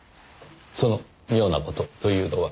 その妙な事というのは？